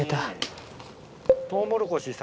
トウモロコシ先。